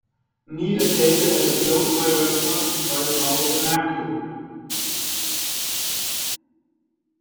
need a table at a close-by restaurant right now in Marco